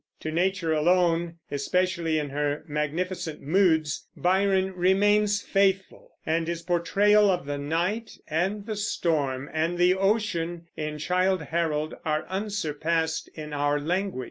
To nature alone, especially in her magnificent moods, Byron remains faithful; and his portrayal of the night and the storm and the ocean in Childe Harold are unsurpassed in our language.